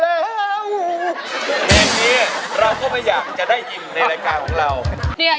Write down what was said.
แล้วเพลงนี้เราก็ไม่อยากจะได้ยินในรายการของเรา